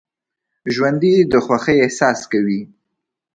ژوندي د خوښۍ احساس کوي